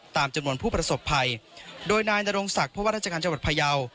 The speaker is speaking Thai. ตามจำนวนผู้ประสบภัยโดยนายนรงศักดิ์เพราะว่าราชการจังหวัดพยาว